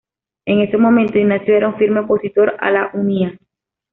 En ese momento, Ignacio era un firme opositor a la Unia.